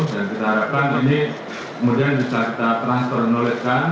dan kita harapkan ini kemudian bisa kita transformasikan